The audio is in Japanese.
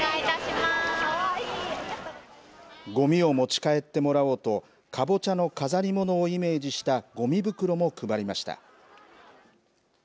ごみを持ち帰ってもらおうとかぼちゃのお化けをイメージしたごみ袋も配りました。